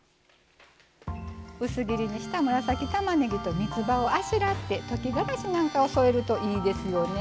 薄切りにした紫たまねぎとみつばをあしらって溶きがらし添えたらいいですよ。